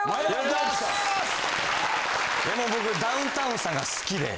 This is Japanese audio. いやもう僕ダウンタウンさんが好きで。